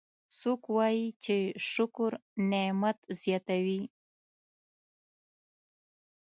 څوک وایي چې شکر نعمت زیاتوي